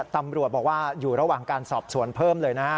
ตำรวจบอกว่าอยู่ระหว่างการสอบสวนเพิ่มเลยนะ